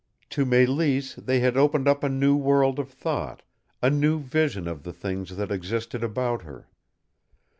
To Mélisse they had opened up a new world of thought, a new vision of the things that existed about her.